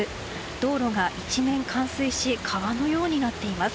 道路が一面冠水し川のようになっています。